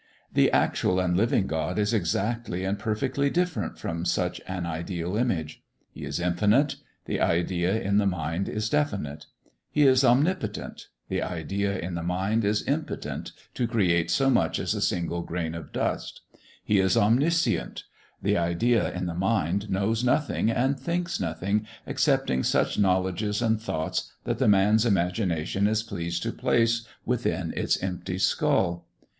The actual and living God is exactly and perfectly different from such an ideal image. He is infinite, the idea in the mind is definite; He is omnipotent, the idea in the mind is impotent to create so much as a single grain of dust; He is omniscient, the idea in the mind knows nothing and thinks nothing excepting such knowledges and thoughts that the man's imagination is pleased to place within its empty skull.